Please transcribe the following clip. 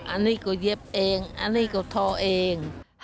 อันนี้ก็เย็บเองอันนี้ก็ทอเอง